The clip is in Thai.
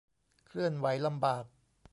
เคลื่อนไหวลำบาก